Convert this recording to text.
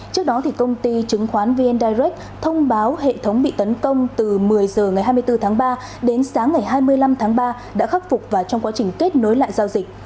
trước đó công ty chứng khoán vn direct thông báo hệ thống bị tấn công từ một mươi h ngày hai mươi bốn tháng ba đến sáng ngày hai mươi năm tháng ba đã khắc phục và trong quá trình kết nối lại giao dịch